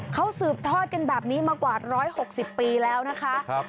เขาสืบทอดกันแบบนี้มากว่า๑๖๐ปีแล้วนะคะ